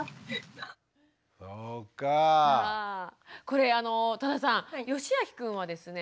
これあの多田さんよしあきくんはですね